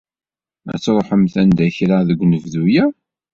Ad truḥemt anda kra deg unebdu-ya?